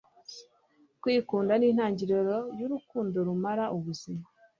kwikunda ni intangiriro y'urukundo rumara ubuzima